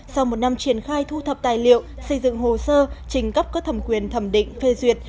sau một năm triển khai thu thập tài liệu xây dựng hồ sơ trình cấp có thẩm quyền thẩm định phê duyệt